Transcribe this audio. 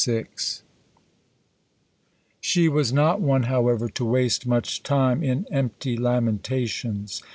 IV She was not one, however, to waste much time in empty lamentations.